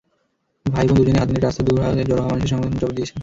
ভাই-বোন দুজনেই হাত নেড়ে রাস্তার দুধারে জড়ো হওয়া মানুষজনের সংবর্ধনার জবাব দিয়েছেন।